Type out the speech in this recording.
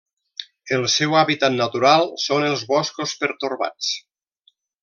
El seu hàbitat natural són els boscos pertorbats.